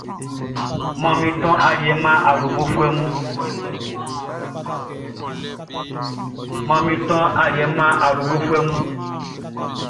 Manmin ton aliɛ man awlobofuɛ mun.